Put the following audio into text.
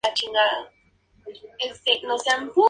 El libro fue un superventas de "The New York Times".